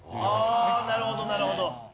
ああなるほどなるほど。